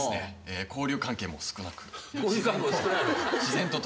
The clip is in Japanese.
交流関係も少ない。